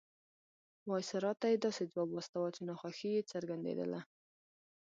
وایسرا ته یې داسې ځواب واستاوه چې ناخوښي یې څرګندېدله.